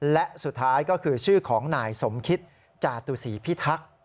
และสุดท้ายก็คือชื่อของนายสมคิตจาตุศีพิทักษ์